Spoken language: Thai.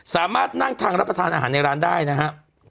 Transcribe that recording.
สามารถนั่งทางรับประทานอาหารในร้านได้นะฮะ